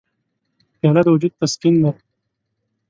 پیاله د وجود تسکین ده.